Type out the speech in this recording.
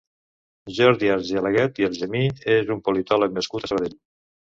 Jordi Argelaguet i Argemí és un politòleg nascut a Sabadell.